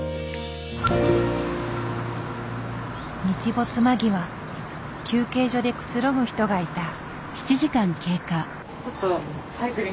日没間際休憩所でくつろぐ人がいた。